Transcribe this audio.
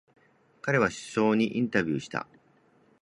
彼は首相にインタビューした。